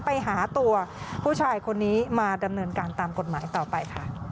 ไปหาตัวผู้ชายคนนี้มาดำเนินการตามกฎหมายต่อไปค่ะ